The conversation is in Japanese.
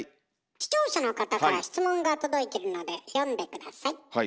視聴者の方から質問が届いてるので読んで下さい。